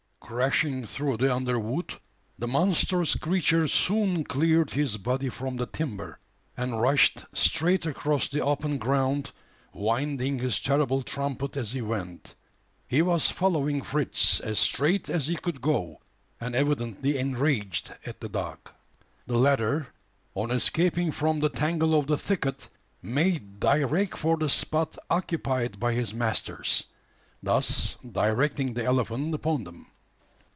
Crashing through the underwood, the monstrous creature soon cleared his body from the timber, and rushed straight across the open ground winding his terrible trumpet as he went. He was following Fritz as straight as he could go, and evidently enraged at the dog. The latter, on escaping from the tangle of the thicket, made direct for the spot occupied by his masters thus directing the elephant upon them.